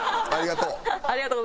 ありがとう。